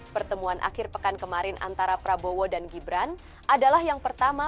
pertemuan akhir pekan kemarin antara prabowo dan gibran adalah yang pertama